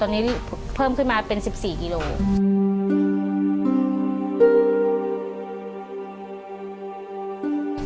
ตอนนี้เพิ่มขึ้นมาเป็น๑๔กิโลกรัม